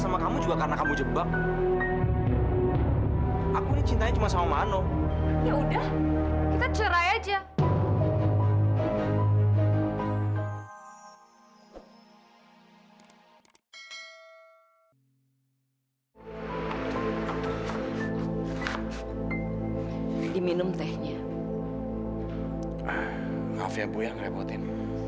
maaf ya bu yang ngerepotin